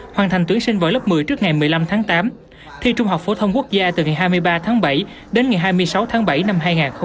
hoàn thành tuyển sinh vào lớp một mươi trước ngày một mươi năm tháng tám thi trung học phổ thông quốc gia từ ngày hai mươi ba tháng bảy đến ngày hai mươi sáu tháng bảy năm hai nghìn hai mươi